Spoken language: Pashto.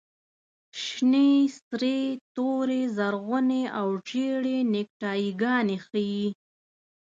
شنې، سرې، تورې، زرغونې او زېړې نیکټایي ګانې ښیي.